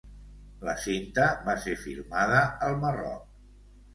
La cinta va ser filmada al Marroc.